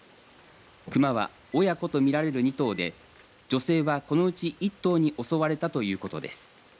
熊は親子と見られる２頭で女性はこのうち１頭に襲われたということです。